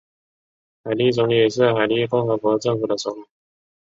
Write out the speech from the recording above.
海地总理是海地共和国政府的首脑。